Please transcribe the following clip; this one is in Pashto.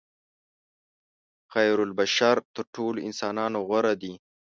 خیرالبشر تر ټولو انسانانو غوره دي.